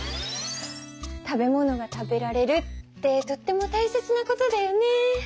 食べ物が食べられるってとっても大切なことだよね。